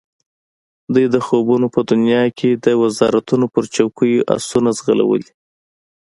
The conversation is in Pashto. دوی د خوبونو په دنیا کې د وزارتونو پر چوکیو آسونه ځغلولي.